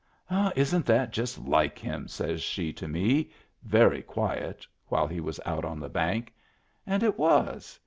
" Isn't that just like him !" says she to me, very quiet, while he was out on the bank. And it was.